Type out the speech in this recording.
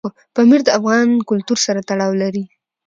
پامیر د افغان کلتور سره تړاو لري.